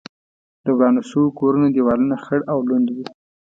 د ورانو شوو کورونو دېوالونه خړ او لوند و.